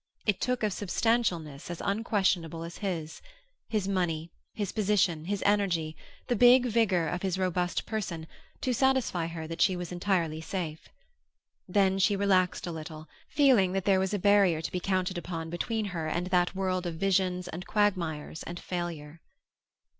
It took a substantialness as unquestionable as his; his money, his position, his energy, the big vigor of his robust person, to satisfy her that she was entirely safe. Then she relaxed a little, feeling that there was a barrier to be counted upon between her and that world of visions and quagmires and failure.